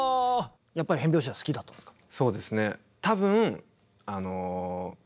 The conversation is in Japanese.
やっぱり変拍子は好きだったんですか？